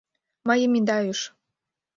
Мыйым ида ӱж.